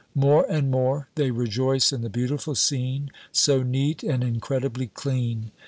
More and more they rejoice in the beautiful scene, so neat and incredibly clean.